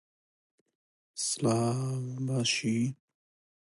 سەیدا سروودێکی خوێندەوە: